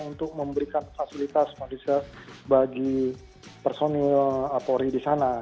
untuk memberikan fasilitas polisial bagi personil apori di sana